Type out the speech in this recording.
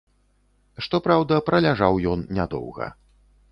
Што праўда, праляжаў ён нядоўга.